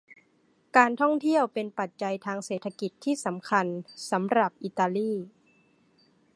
การท่องเที่ยวเป็นปัจจัยทางเศรษฐกิจที่สำคัญสำหรับอิตาลี